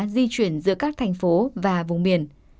di chuyển giữa các thành phố và vùng miền